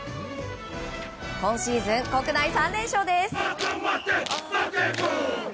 今シーズン国内３連勝です。